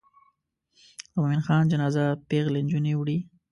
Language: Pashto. د مومن خان جنازه پیغلې نجونې وړي.